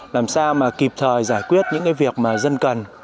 làm sao mà kịp thời giải quyết những cái việc mà dân cần